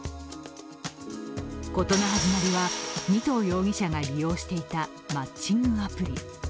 事の始まりは、味藤容疑者が利用していたマッチングアプリ。